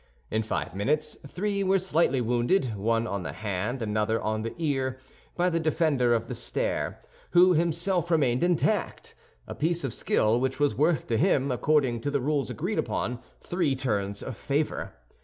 In five minutes three were slightly wounded, one on the hand, another on the ear, by the defender of the stair, who himself remained intact—a piece of skill which was worth to him, according to the rules agreed upon, three turns of favor.